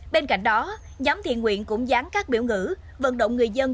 bên cạnh đó nhóm thiện nguyện cũng dán các biểu ngữ vận động người dân